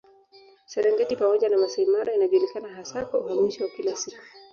Serengeti pamoja na Masai Mara inajulikana hasa kwa uhamisho wa kila siku